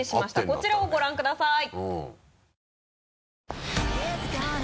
こちらをご覧ください。